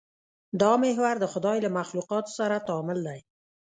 دا محور د خدای له مخلوقاتو سره تعامل دی.